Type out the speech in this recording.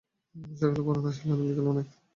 সকালে পরান আসিল না, বিকালেও নয়।